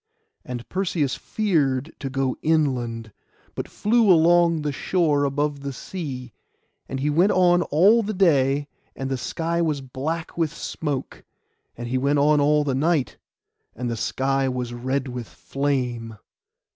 And Perseus feared to go inland, but flew along the shore above the sea; and he went on all the day, and the sky was black with smoke; and he went on all the night, and the sky was red with flame.